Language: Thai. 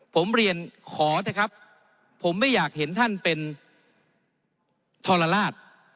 ผมเรียนขอเถอะครับผมไม่อยากเห็นท่านเป็นทรลาศ